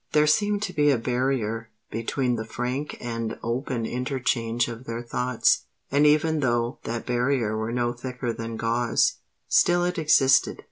There seemed to be a barrier between the frank and open interchange of their thoughts; and even though that barrier were no thicker than gauze, still it existed.